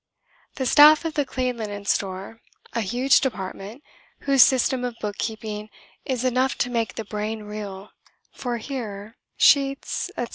The staff of the Clean Linen Store, a huge department whose system of book keeping is enough to make the brain reel (for here sheets, etc.